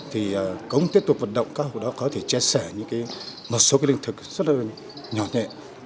thì công tiếp tục vận động các hộ đó có thể chia sẻ một số lương thực rất là nhỏ nhẹ